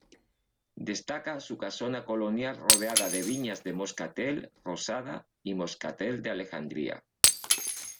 Destaca su casona colonial rodeada de viñas de moscatel rosada y moscatel de alejandría.